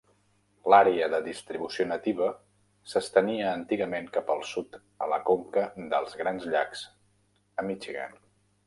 L'àrea de distribució nativa s'estenia antigament cap al sud a la conca dels Grans Llacs a Michigan.